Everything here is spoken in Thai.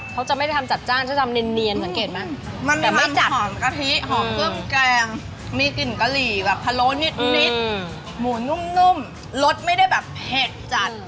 เขาจะไม่ได้ทำจัดจ้านจะทำเนียนสังเกตไหมแต่ไม่จัดหอมกะทิหอมกลึ้มแกงมีกลิ่นกะหรี่แบบพะโล้นิดหมูนุ่มรสไม่ได้แบบเผ็ดจัด